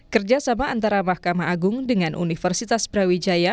kerjasama antara mahkamah agung dengan universitas brawijaya